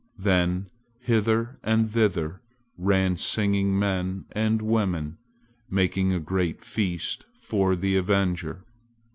Then hither and thither ran singing men and women making a great feast for the avenger.